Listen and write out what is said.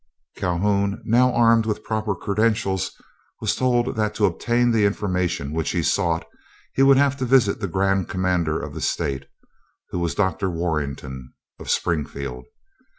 Calhoun, now armed with the proper credentials, was told that to obtain the information which he sought, he would have to visit the Grand Commander of the state, who was a Dr. Warrenton, of Springfield.